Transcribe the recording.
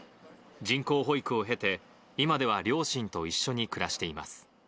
人工哺育を経て、今では両親と一緒に暮らしています。